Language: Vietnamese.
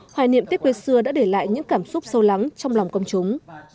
hoài niệm tết quê xưa đã để lại những cảm xúc sâu lắng trong lòng công chúng